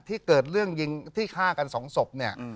เกิดเรื่องยิงที่ฆ่ากันสองศพเนี่ย